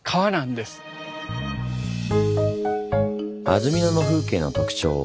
安曇野の風景の特徴